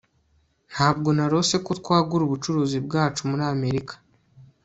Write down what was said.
ntabwo narose ko twagura ubucuruzi bwacu muri amerika